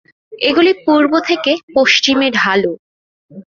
এগুলি পূর্ব থেকে পশ্চিমে ঢালু।